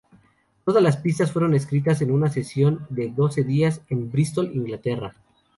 Todas las pistas fueron escritas en una sesión de doce días en Bristol, Inglaterra.